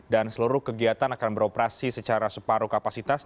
dan seluruh kegiatan akan beroperasi secara separuh kapasitas